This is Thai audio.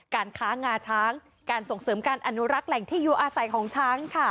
การค้างาช้างการส่งเสริมการอนุรักษ์แหล่งที่อยู่อาศัยของช้าง